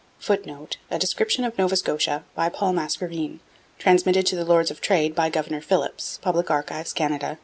[Footnote: 'A Description of Nova Scotia,' by Paul Mascarene, transmitted to the Lords of Trade by Governor Philipps. Public Archives, Canada.